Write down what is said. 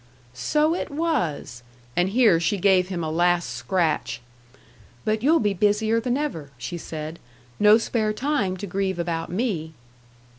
"So it was!" And here she gave him a last scratch. "But you'll be busier than ever," she said; "no spare time to grieve about me!"